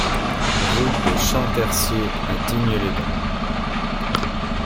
Route de Champtercier à Digne-les-Bains